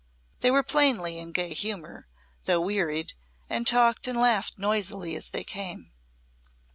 They were plainly in gay humour, though wearied, and talked and laughed noisily as they came.